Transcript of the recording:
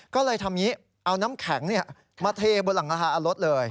ก็เลยทำอย่างนี้เอาน้ำแข็งมาเทบนหลังคารถเลย